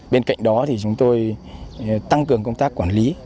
bên cạnh đó thì chúng tôi tăng cường công tác quản lý